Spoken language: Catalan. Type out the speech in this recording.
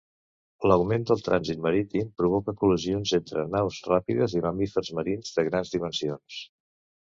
L'augment del trànsit marítim provoca col·lisions entre naus ràpides i mamífers marins de grans dimensions.